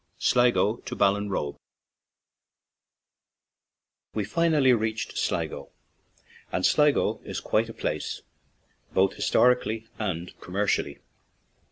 SLIGO TO BALLINROBE WE finally reached Sligo; and Sligo is quite a place, both historically and com mercially.